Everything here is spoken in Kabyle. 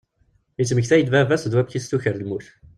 Yettmektay-d baba-s d wamk i as-tuker lmut.